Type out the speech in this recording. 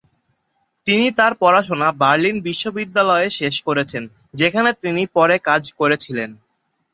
তিনি তার পড়াশোনা বার্লিন বিশ্ববিদ্যালয়ে শেষ করেছেন, যেখানে তিনি পরে কাজ করেছিলেন।